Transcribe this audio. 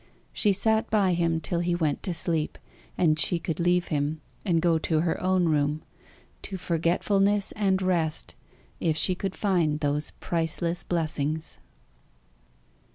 She sat by him till he went to sleep, and she could leave him, and go to her own room, to forgetfulness and rest, if she could find those priceless blessings.